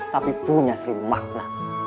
tapi punya selimakna